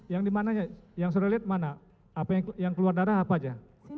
yang dimana yang sudah lihat mana apa yang keluar darah apa aja